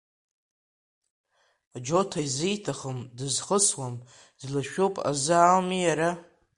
Џьота изиҭахым, дызхысуам, длашәуп азы ауми иара.